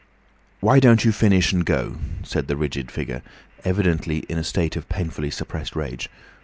"Why don't you finish and go?" said the rigid figure, evidently in a state of painfully suppressed rage.